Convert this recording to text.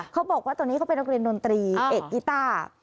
เขาบอกว่าตอนนี้เขาเป็นนักเรียนดนตรีเอกกีต้า